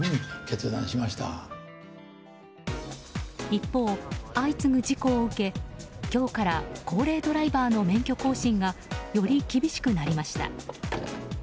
一方、相次ぐ事故を受け今日から高齢ドライバーの免許更新がより厳しくなりました。